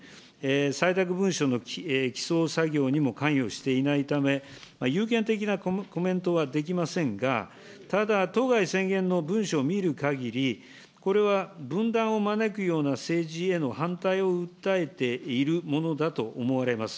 採択文書の起草作業にも関与していないため、ゆうけん的なコメントはできませんが、ただ、当該宣言の文書を見るかぎり、これは分断を招くような政治への反対を訴えているものだと思われます。